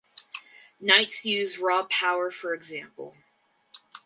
Knights use raw power for example.